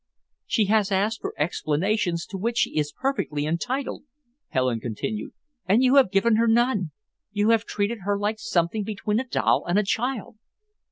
"She has asked for explanations to which she is perfectly entitled," Helen continued, "and you have given her none. You have treated her like something between a doll and a child.